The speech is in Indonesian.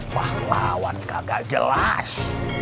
pahlawan kagak jelas